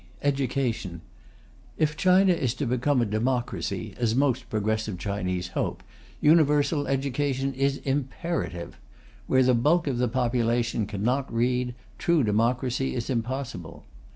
Education. If China is to become a democracy, as most progressive Chinese hope, universal education is imperative. Where the bulk of the population cannot read, true democracy is impossible.